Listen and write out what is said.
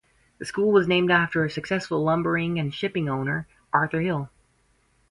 The school was named after a successful lumbering and shipping owner, Arthur Hill.